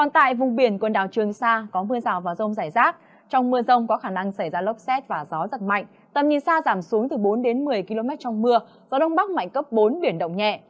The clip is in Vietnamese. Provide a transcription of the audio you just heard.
tầm nhìn xa giảm xuống từ bốn đến một mươi km trong mưa gió đông bắc mạnh cấp bốn biển động nhẹ